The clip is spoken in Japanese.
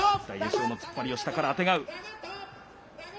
大栄翔の突っ張りを下からあてがう。